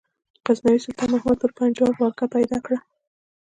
غزنوي سلطان محمود پر پنجاب ولکه پیدا کړه.